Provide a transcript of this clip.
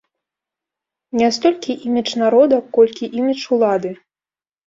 Не столькі імідж народа, колькі імідж улады.